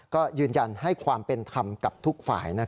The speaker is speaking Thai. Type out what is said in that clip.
ก็ยืนยันให้ความเป็นธรรมกับทุกฝ่าย